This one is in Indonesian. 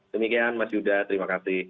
demikian mas yuda terima kasih